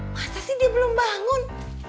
masa sih dia belum bangun